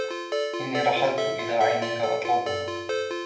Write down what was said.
إنّي رحلتُ إلى عينيكِ أطلبها